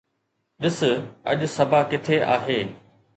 ڏس اڄ صبا ڪٿي آهي